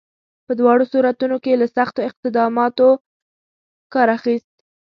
په دواړو صورتونو کې یې له سختو اقداماتو کار اخیست.